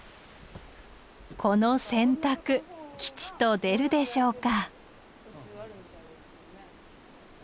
この選択吉と出るでしょうか。